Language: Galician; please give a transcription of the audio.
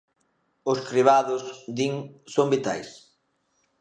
Os cribados, din, son vitais.